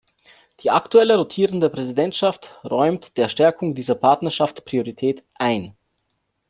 Die aktuelle rotierende Präsidentschaft räumt der Stärkung dieser Partnerschaft Priorität ein.